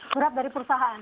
surat dari perusahaan